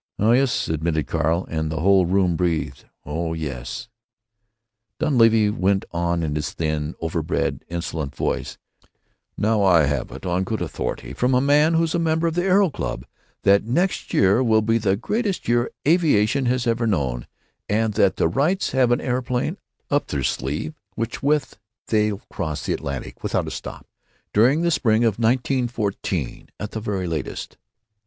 "Oh yes," admitted Carl; and the whole room breathed. "Oh yes." Dunleavy went on in his thin, overbred, insolent voice, "Now I have it on good authority, from a man who's a member of the Aero Club, that next year will be the greatest year aviation has ever known, and that the Wrights have an aeroplane up their sleeve with which they'll cross the Atlantic without a stop, during the spring of 1914 at the very latest."